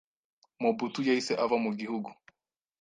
Mobutu yahise ava mu gihugu,